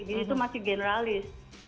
di situ masih generalis